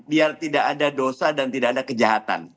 biar tidak ada dosa dan tidak ada kejahatan